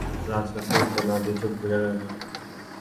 রাজলক্ষ্মী উত্তর না দিয়া চুপ করিয়া রহিলেন।